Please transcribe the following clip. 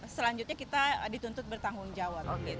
selanjutnya kita dituntut bertanggung jawab